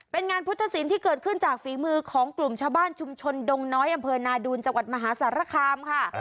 เป็นงานพุทธศิลป์ที่เกิดขึ้นจากฝีมือของกลุ่มชาวบ้านชุมชนดงน้อยอำเภอนาดูนจังหวัดมหาสารคามค่ะ